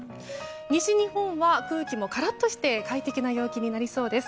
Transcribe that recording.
西日本は空気もカラッとして快適な陽気になりそうです。